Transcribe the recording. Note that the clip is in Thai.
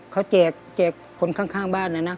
เขาแจกคนข้างบ้านนะนะ